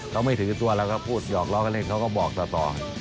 เขาไม่ถือตัวแล้วก็พูดหยอกล้อกันเล่นเขาก็บอกต่อ